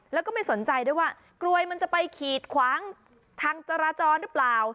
แล้วก็ไม่สนใจด้วยว่ากลวยมันจะไปขีดขวางทางจราจรหรือเปล่า